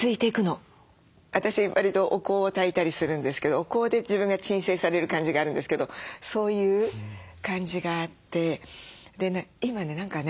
私わりとお香をたいたりするんですけどお香で自分が鎮静される感じがあるんですけどそういう感じがあって今ね何かね